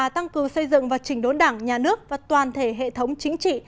tăng cường xây dựng và trình đốn đảng nhà nước và toàn thể hệ thống chính trị